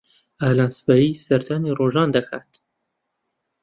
ئالان سبەی سەردانی ڕۆژان دەکات.